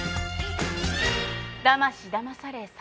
だましだまされ３４年。